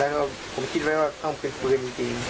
แต่ผมคิดไว้ว่าต้องกินปืนจริง